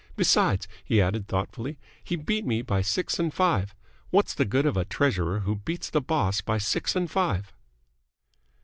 "Besides," he added, thoughtfully, "he beat me by six and five. What's the good of a treasurer who beats the boss by six and five?"